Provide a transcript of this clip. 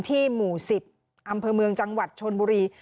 หมู่๑๐อำเภอเมืองจังหวัดชนบุรี